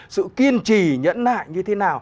sự kiên trì nhẫn nại như thế nào